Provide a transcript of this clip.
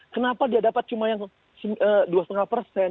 kenapa dia dapat cuma yang dua lima persen